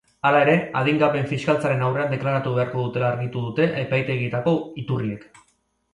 Hala ere, adingabeen fiskaltzaren aurrean deklaratu beharko dutela argitu dute epaitegietako iturriek.